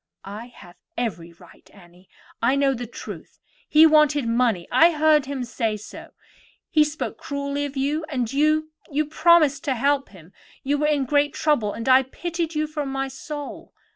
"I have every right, Annie; I know the truth. He wanted money; I heard him say so. He spoke cruelly to you; and you—you promised to help him. You were in great trouble, and I pitied you from my very soul.